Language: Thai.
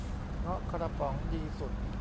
เงาะกระป๋องดีสุด